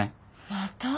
また？